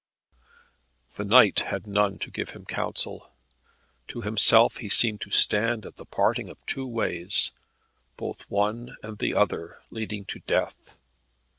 The knight had none to give him counsel. To himself he seemed to stand at the parting of two ways, both one and the other leading to death.